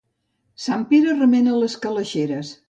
Sant Pere remena les calaixeres.